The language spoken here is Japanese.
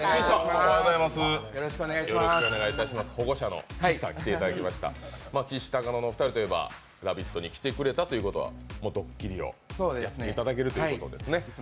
お願いします、保護者の岸さんに来ていただきました、きしたかのさん「ラヴィット！」に来てくれたということはドッキリをやっていただけるということですね。